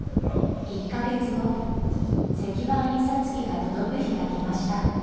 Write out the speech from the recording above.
１か月後石版印刷機が届く日が来ました。